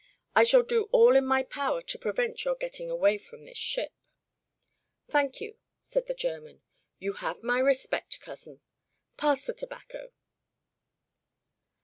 I shall do all in my power to prevent your getting away from this ship." "Thank you," said the German. "You have my respect, cousin. Pass the tobacco."